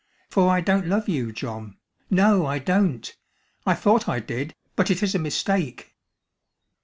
For I don't love you, John. No, I don't. I thought I did, but it is a mistake."